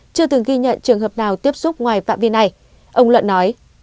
chưa từng ghi nhận trường hợp nào tiếp xúc ngoài phạm vi này ông luận nói